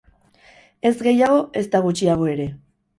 Ez gehiago, ezta gutxiago ere.